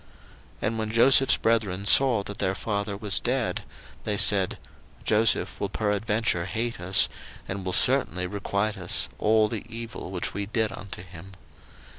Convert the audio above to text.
01:050:015 And when Joseph's brethren saw that their father was dead, they said, Joseph will peradventure hate us, and will certainly requite us all the evil which we did unto him.